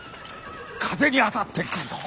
風に当たってくる。